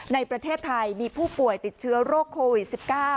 ในประเทศไทยมีผู้ป่วยติดเชื้อโรคโควิด๑๙